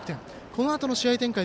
このあとの試合展開